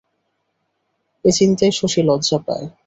এ চিন্তায় শশী লজ্জা পায়।